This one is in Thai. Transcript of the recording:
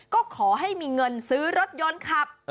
ก็ขอให้มีเงินซื้อรถยนต์ขับ